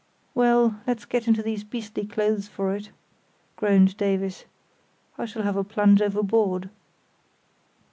"Well, let's get into these beastly clothes for it," groaned Davis. "I shall have a plunge overboard."